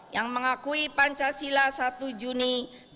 yang mengakui pancasila satu juni seribu sembilan ratus empat puluh